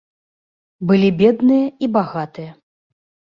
Былі бедныя і багатыя.